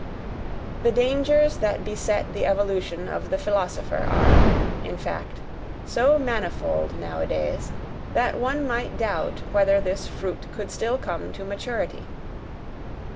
The dangers that beset the evolution of the philosopher are, in fact, so manifold nowadays, that one might doubt whether this fruit could still come to maturity.